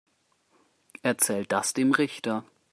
Erzähl das dem Richter.